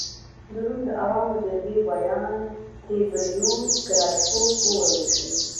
د روم د عوامو جرګې ویاند تیبریوس ګراکچوس ووژل شو